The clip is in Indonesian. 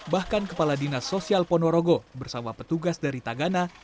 bahkan kepala dinas sosial ponorogo bersama petugas dari tagana